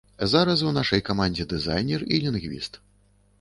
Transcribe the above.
Зараз у нашай камандзе дызайнер і лінгвіст.